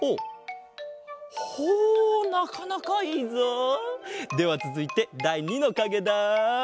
ほうほなかなかいいぞ！ではつづいてだい２のかげだ。